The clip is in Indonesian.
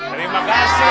terima kasih pak roy